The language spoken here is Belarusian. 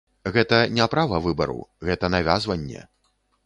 Гэта не права выбару, гэта навязванне.